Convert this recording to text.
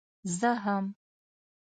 زه هم.